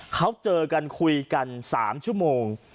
เขาเจอกันคุยกัน๓ชั่วโมง